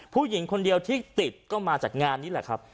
ผู้หญิงคนเดียวที่ติดก็มาจากงานนี้แหละครับ